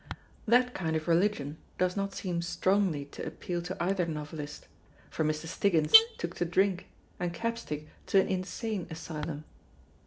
That kind of religion does not seem strongly to appeal to either novelist; for Mr. Stiggins took to drink, and Capstick to an insane asylum.